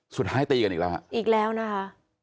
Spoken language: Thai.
สุดท้ายตีกันอีกแล้วฮะอีกแล้วนะคะ